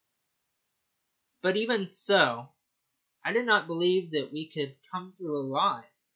But even so I did not believe that we could come through alive.